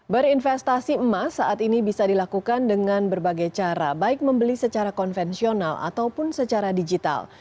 berinvestasi emas saat ini bisa dilakukan dengan berbagai cara baik membeli secara konvensional ataupun secara digital